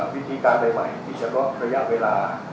วิธีการใดใหม่ที่จะล้อบระยะเวลา